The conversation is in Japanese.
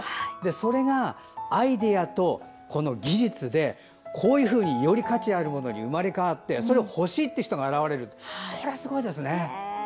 それがアイデアと技術でこういうふうにより価値あるものに生まれ変わってそれを欲しいという人が現れるこれはすごいですね。